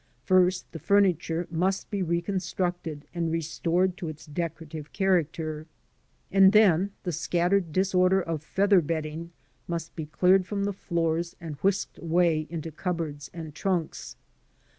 First, the furniture must be reconstructed and restored to its decorative character, and then the scattered disorder of feather bedding must be cleared from the floors and whisked away into cup boards and trunks.